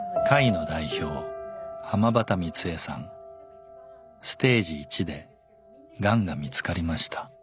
ステージ１でがんが見つかりました。